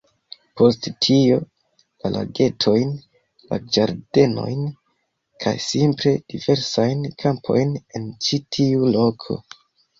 Post tio, la lagetojn, la ĝardenojn, kaj simple diversajn kampojn en ĉi tiu loko.